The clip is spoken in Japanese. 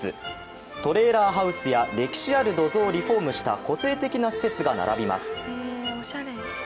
トレーラーハウスや歴史ある土蔵をリフォームした個性的な施設が並びます。